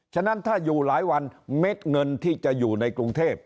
ฉะนั้นถ้าอยู่หลายวันเม็ดเงินที่จะอยู่ในกรุงเทพ